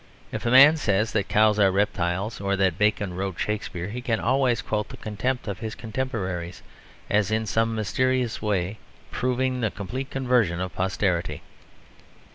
If a man says that cows are reptiles, or that Bacon wrote Shakespeare, he can always quote the contempt of his contemporaries as in some mysterious way proving the complete conversion of posterity.